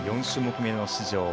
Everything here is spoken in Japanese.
４種目めの出場。